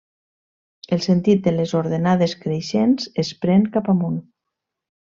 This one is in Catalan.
El sentit de les ordenades creixents es pren cap amunt.